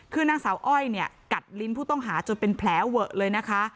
คือนางสาวอ้อยเนี่ยกัดลิ้นผู้ต้องหาจนเป็นแผลเวอะเลยนะคะ